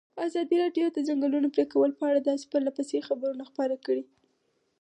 ازادي راډیو د د ځنګلونو پرېکول په اړه پرله پسې خبرونه خپاره کړي.